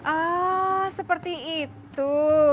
ah seperti itu